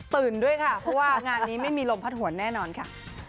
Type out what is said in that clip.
ด้วยค่ะเพราะว่างานนี้ไม่มีลมพัดหวนแน่นอนค่ะ